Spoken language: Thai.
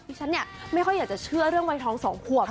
ฉันเนี่ยไม่ค่อยอยากจะเชื่อเรื่องวัยทอง๒ขวบ